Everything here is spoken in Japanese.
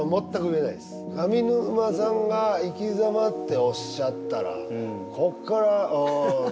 上沼さんが生きざまっておっしゃったらこっから３０４０年